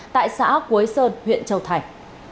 tại xã quế sơn huyện châu thành